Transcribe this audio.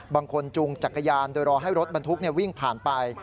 บางคนจูงจักรยานโดยรอให้รถบันทุกข์วิ่งผ่านไป